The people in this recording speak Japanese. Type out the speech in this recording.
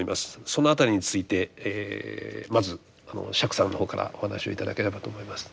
その辺りについてまず釈さんの方からお話を頂ければと思います。